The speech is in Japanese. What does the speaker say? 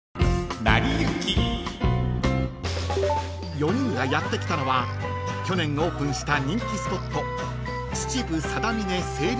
［４人がやって来たのは去年オープンした人気スポット］